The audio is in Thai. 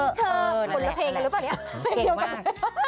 คนละเพลงรู้ปะเนี้ย